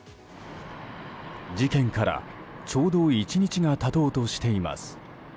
事件からちょうど１日が経とうとしています。